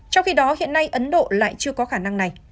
trong khi đó hiện nay ấn độ lại chưa có khả năng này